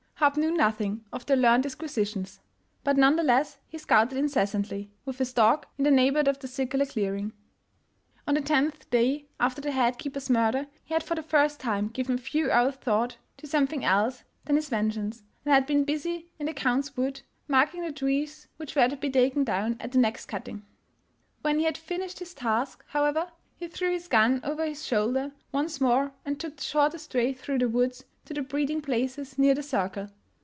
Hopp knew nothing of their learned disquisitions; but none the less he scouted incessantly, with his dog, in the neighborhood of the circu lar clearing. On the tenth day after the head keeper's murder he had for the first time given a few hours' thought to something KBAMBAMBULI 425 else than his vengeance, and had been bnsy in " the Count's Wood " marking the trees which were to be taken down at the next cutting. When he had finished his task, however, he threw his gun over his shoulder once more and took the shortest way through the woods to the breeding places near the circle.